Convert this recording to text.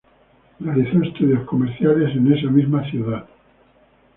Realizó estudios comerciales en esa misma ciudad.